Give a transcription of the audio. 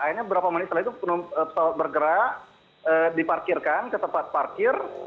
akhirnya berapa menit setelah itu pesawat bergerak diparkirkan ke tempat parkir